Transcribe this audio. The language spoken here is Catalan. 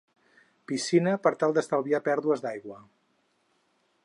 Piscina per tal d’estalviar pèrdues d’aigua.